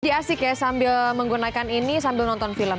jadi asik ya sambil menggunakan ini sambil nonton film